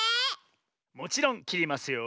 もちろんきりますよ。